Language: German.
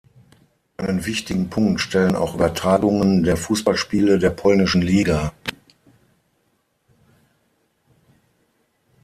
Einen wichtigen Punkt stellen auch Übertragungen der Fußballspiele der polnischen Liga.